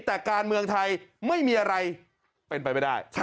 แต่การเมืองไทยไม่มีอะไรเป็นไปไม่ได้